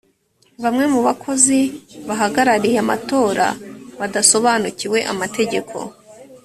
bamwe mu bakozi bahagarariye amatora badasobanukiwe amategeko